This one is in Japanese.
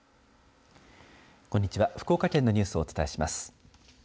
こんにちは、福岡県のニュースをお伝えします。